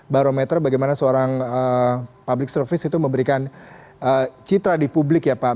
barometer bagaimana seorang public service itu memberikan citra di publik ya pak